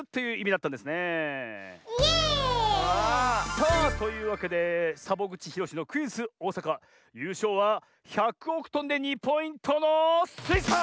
さあというわけでサボぐちひろしのクイズ「おおさか」ゆうしょうは１００おくとんで２ポイントのスイさん！